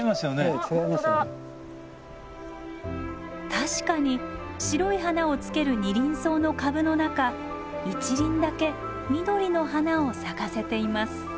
確かに白い花をつけるニリンソウの株の中一輪だけ緑の花を咲かせています。